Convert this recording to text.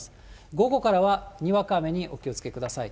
午後からは、にわか雨にお気をつけください。